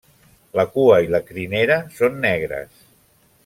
La cua i la crinera són negres.